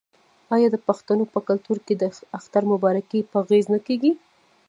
آیا د پښتنو په کلتور کې د اختر مبارکي په غیږ نه کیږي؟